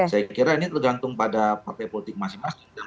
saya kira ini tergantung pada partai politik masing masing